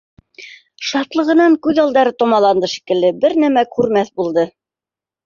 Шатлығынан күҙ алдары томаланды шикелле, бер нәмә күрмәҫ булды